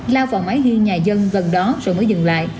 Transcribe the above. lao vào máy ghi nhà dân gần đó rồi mới dừng lại